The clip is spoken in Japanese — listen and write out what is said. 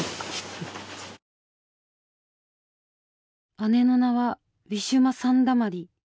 姉の名はウィシュマ・サンダマリ。